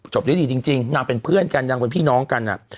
ด้วยดีจริงนางเป็นเพื่อนกันนางเป็นพี่น้องกัน